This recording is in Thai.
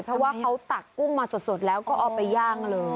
เพราะว่าเขาตักกุ้งมาสดแล้วก็เอาไปย่างเลย